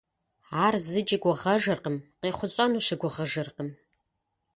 Ар зыкӏи гугъэжыркъым, къехъулӀэну щыгугъыжыркъым.